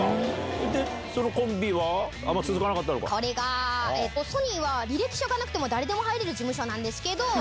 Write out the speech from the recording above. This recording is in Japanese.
そのコンビはあんま続かなかこれが、ソニーは履歴書がなくても誰でも入れる事務所なんですけど。